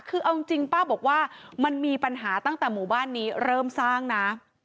คือเอาจริงป้าบอกว่ามันมีปัญหาตั้งแต่หมู่บ้านนี้เริ่มสร้างนะ